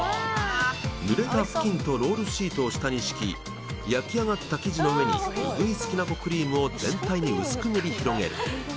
ぬれた布巾とロールシートを下に敷き焼き上がった生地の上にうぐいす黄な粉クリームを全体に薄く塗り広げる。